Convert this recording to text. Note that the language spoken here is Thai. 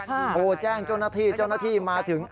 โทรแจ้งเจ้าหน้าที่เจ้าหน้าที่มาถึง